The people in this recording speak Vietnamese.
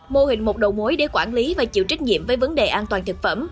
mô hình một đầu mối để quản lý và chịu trách nhiệm với vấn đề an toàn thực phẩm